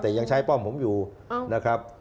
แต่ยังใช้ป้อมผมอยู่นะครับ